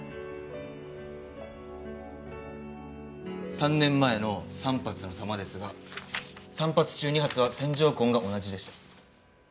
３年前の３発の弾ですが３発中２発は線条痕が同じでした。